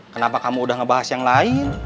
kenapa kamu udah ngebahas yang lain